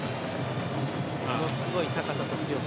ものすごい高さと強さ。